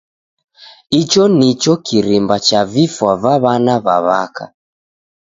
Icho nicho kirimba cha vifwa va w'ana w'a'waka.